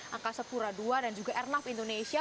angkasa pura ii dan juga airnav indonesia